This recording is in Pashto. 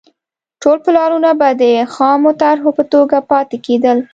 ټول پلانونه به د خامو طرحو په توګه پاتې کېدل.